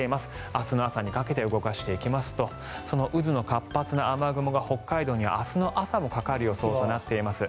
明日の朝にかけて動かしていくとその渦の活発な雨雲が北海道には明日の朝もかかる予想となっています。